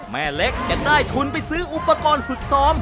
แม่เล็กจะได้ทุนไปซื้ออุปกรณ์ฝึกซ้อม